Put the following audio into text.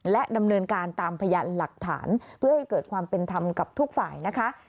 และดำเนินการตามพยานหลักฐานเพื่อให้เกิดความเป็นธรรมกับทุกฝ่ายนะคะ